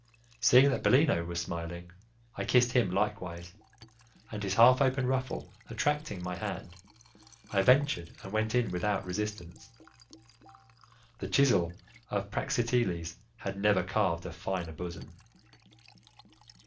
Seeing that Bellino was smiling, I kissed him likewise, and his half open ruffle attracting my hand, I ventured and went in without resistance. The chisel of Praxiteles had never carved a finer bosom!